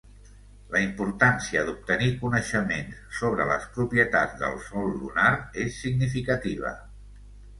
La importància d'obtenir coneixements sobre les propietats del sòl lunar és significativa.